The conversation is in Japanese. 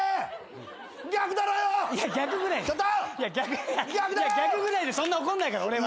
逆ぐらいでそんな怒んないから俺は。